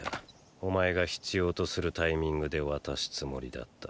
お前が必要とするタイミングで渡すつもりだった。